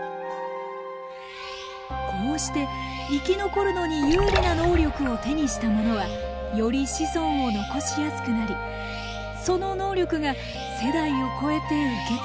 こうして生き残るのに有利な能力を手にしたものはより子孫を残しやすくなりその能力が世代を超えて受け継がれていく。